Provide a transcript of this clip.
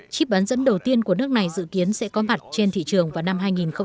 chip bán dẫn đầu tiên của nước này dự kiến sẽ có mặt trên thị trường vào năm hai nghìn hai mươi